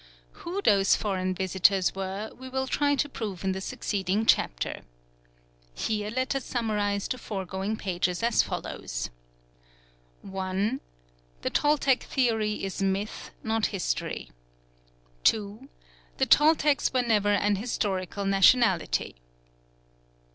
Who those foreign visitors were we will try to prove in the succeeding chapter. Here let us summarise the foregoing pages as follows: 1. The Toltec theory is myth, not history. 2. The Toltecs were never an historical nationality.